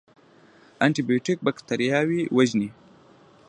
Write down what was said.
انټي بیوټیک بکتریاوې وژني